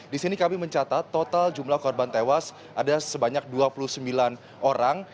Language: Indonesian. di sini kami mencatat total jumlah korban tewas ada sebanyak dua puluh sembilan orang